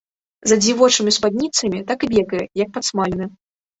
За дзявочымі спадніцамі так і бегае як падсмалены.